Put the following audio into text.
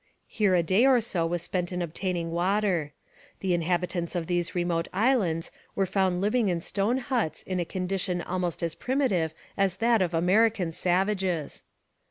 Here a day or so was spent in obtaining water. The inhabitants of these remote islands were found living in stone huts in a condition almost as primitive as that of American savages.